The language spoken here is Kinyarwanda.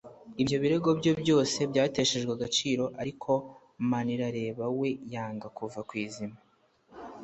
Ibyo birego bye byose byateshejwe agaciro ariko Manirareba we yanga kuva ku izima